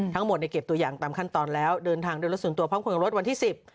ทั้งหมดในเก็บตัวอย่างตามขั้นตอนแล้วเดินทางโดยรถส่วนตัวพร้อมคนกับรถวันที่๑๐